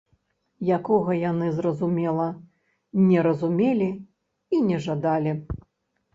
Якога яны, зразумела, не разумелі і не жадалі.